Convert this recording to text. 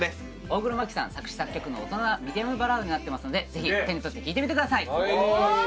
大黒摩季さん作詞・作曲の大人なミディアムバラードになってますのでぜひ手に取って聴いてみてください！